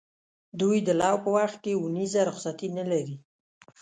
دوی د لو په وخت کې اونیزه رخصتي نه لري.